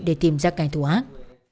để tìm ra cài thù ác